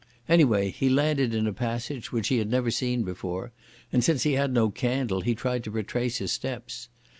Anyway he landed in a passage which he had never seen before, and, since he had no candle, he tried to retrace his steps.